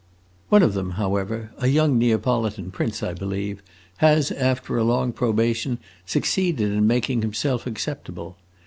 One of them, however, a young Neapolitan prince, I believe, has after a long probation succeeded in making himself acceptable.